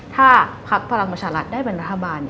ถ้าพรรคภารกิจมาชนิดมื้อได้เป็นรัฐบาล